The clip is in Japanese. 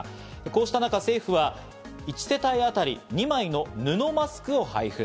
こうしたなか政府は１世帯当たり２枚の布マスクを配布。